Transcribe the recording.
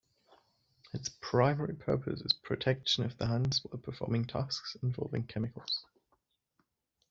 Its primary purpose is protection of the hands while performing tasks involving chemicals.